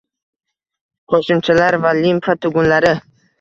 Qo'shimchalar va limfa tugunlari;